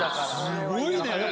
すごいね！